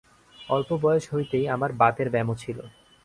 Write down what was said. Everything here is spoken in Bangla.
অল্প বয়স হইতেই আমার বাতের ব্যামো ছিল।